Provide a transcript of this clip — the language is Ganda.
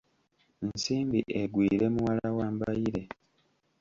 Nsimbi Egwire muwala wa Mbaire.